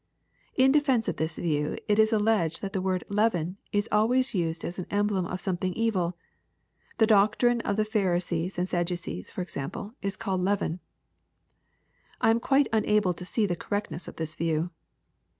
In defence of this view it is alleged, that the word " leaven" is always used as an emblem of something evil. The doctrine of the Pharisees and Sadducees, for example, is called "leaven." I am quite unable to. see the correctness of this view.